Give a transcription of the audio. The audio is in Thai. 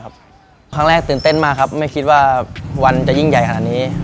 ครั้งแรกตื่นเต้นมากครับไม่คิดว่าวันจะยิ่งใหญ่ขนาดนี้